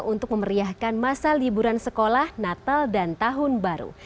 untuk memeriahkan masa liburan sekolah natal dan tahun baru